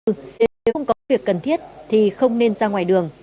nếu không có việc cần thiết thì không nên ra ngoài đường